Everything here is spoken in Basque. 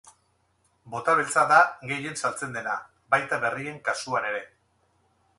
Bota beltza da gehien saltzen dena, baita berrien kasuan ere.